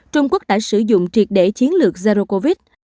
trung quốc đã sử dụng triệt để chiến lược zero covid